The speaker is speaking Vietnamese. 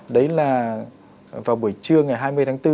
đấy là vào buổi trưa ngày hai mươi tháng bốn